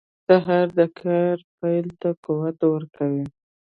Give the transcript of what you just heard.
سهار د کار پیل ته قوت ورکوي.